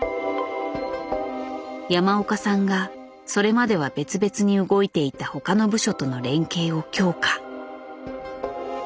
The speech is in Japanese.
山岡さんがそれまでは別々に動いていた他の部署との連携を強化。